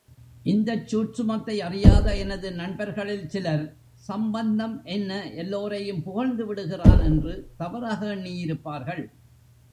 இந்தச் சூட்சுமத்தை அறியாத எனது நண்பர்களில் சிலர் சம்பந்தம் என்ன எல்லோரையும் புகழ்ந்து விடுகிறான்! என்று தவறாக எண்ணியிருப்பார்கள்.